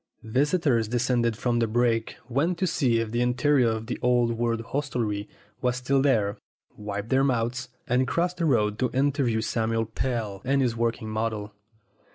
Visitors descended from the brake, went to see if the interior of the old world hostelry was still there, wiped their mouths, and crossed the road to interview Samuel Pell and his working model.